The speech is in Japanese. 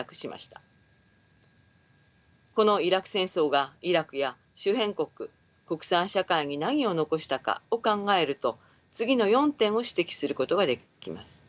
このイラク戦争がイラクや周辺国国際社会に何を残したかを考えると次の４点を指摘することができます。